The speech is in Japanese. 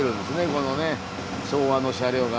このね昭和の車両が。